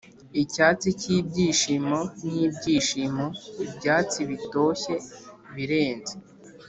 icyatsi cyibyishimo nibyishimo, ibyatsi bitoshye birenze,